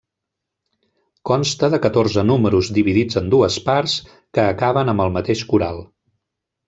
Consta de catorze números dividits en dues parts, que acaben amb el mateix coral.